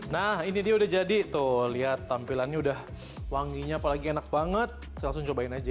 nah ini dia udah jadi tuh lihat tampilannya udah wanginya apalagi enak banget saya langsung cobain aja